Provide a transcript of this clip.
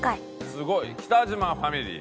すごい！北島ファミリー。